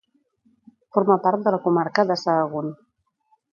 Forma part de la comarca de Sahagún.